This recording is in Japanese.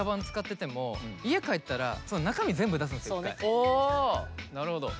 あなるほど。